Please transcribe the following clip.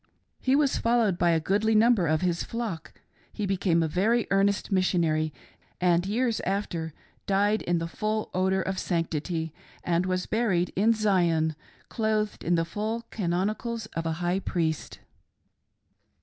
He was fol lowed by a goodly number of his flock; he became a very earnest missionary, and, years after, died in the full odor of sanctity and was buried in Zion, clothed in the full canonicals of a high priest.